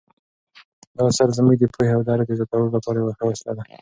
دا اثر زموږ د پوهې او درک د زیاتولو لپاره یوه ښه وسیله ده.